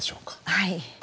はい。